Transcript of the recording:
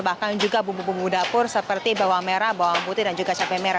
bahkan juga bumbu bumbu dapur seperti bawang merah bawang putih dan juga cabai merah